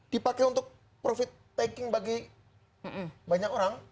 dipakai untuk profit taking bagi banyak orang